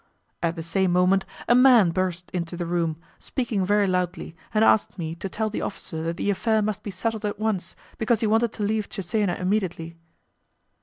At the same moment, a man burst into the room, speaking very loudly, and asked me to tell the officer that the affair must be settled at once, because he wanted to leave Cesena immediately.